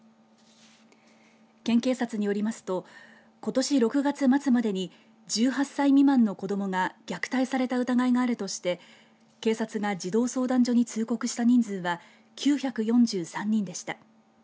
県警察によりますとことし６月末までに１８歳未満の子どもが虐待された疑いがあるとして警察が児童相談所に通告した人数は９４３人でした。